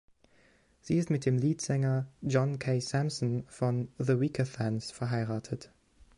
Sie ist mit dem Leadsänger John K. Samson von The Weakerthans verheiratet.